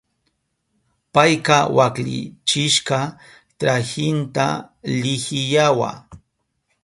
Payka waklichishka trahinta lihiyawa.